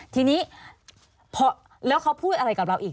ทีนี้พอแล้วเขาพูดอะไรกับเราอีก